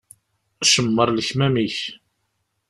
Cemmer lekmam-ik.